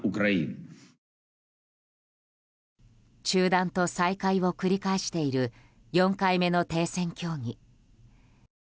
中断と再開を繰り返している４回目の停戦協議。